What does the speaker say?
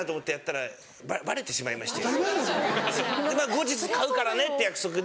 後日買うからねっていう約束で。